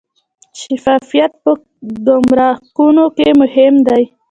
شفافیت په ګمرکونو کې مهم دی